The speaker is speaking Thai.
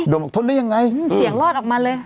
บอกทนได้ยังไงเสียงรอดออกมาเลย